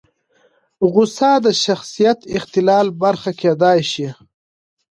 غوسه د شخصیت اختلال برخه کېدای شي.